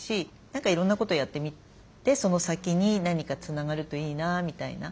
何かいろんなことやってみてその先に何かつながるといいなみたいな。